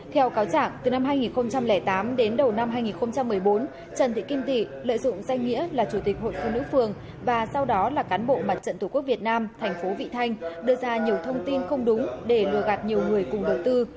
theo cáo trạng từ năm hai nghìn tám đến đầu năm hai nghìn một mươi bốn trần thị kim tị lợi dụng danh nghĩa là chủ tịch hội phụ nữ phường và sau đó là cán bộ mặt trận tổ quốc việt nam thành phố vị thanh đưa ra nhiều thông tin không đúng để lừa gạt nhiều người cùng đầu tư